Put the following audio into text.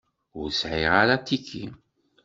Ur sεiɣ ara atiki.